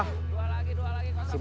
dua lagi dua lagi kosong bu